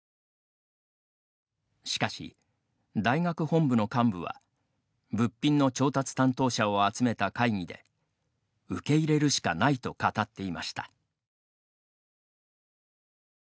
しかし、大学本部の幹部は物品の調達担当者を集めた会議で受け入れるしかないと語っていました。